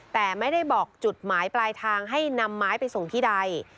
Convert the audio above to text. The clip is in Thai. แต่ไม่ได้บอกจุดหมายปลายทางให้นำไม้ไปส่งที่ใด